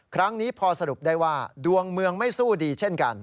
ครั้งนี้พอสรุปได้ว่าดวงเมืองไม่สู้ดีเช่นกัน